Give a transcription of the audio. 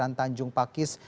dan juga tanjung pakis